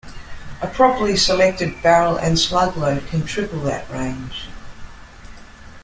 A properly selected barrel and slug load can triple that range.